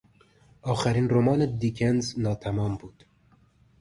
آخرین رمان دیکنز ناتمام بود.